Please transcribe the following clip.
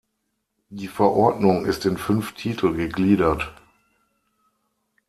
Die Verordnung ist in fünf Titel gegliedert.